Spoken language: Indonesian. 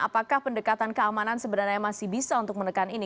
apakah pendekatan keamanan sebenarnya masih bisa untuk menekan ini